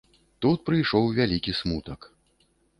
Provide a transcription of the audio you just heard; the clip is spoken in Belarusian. Тут прыйшоў вялікі смутак.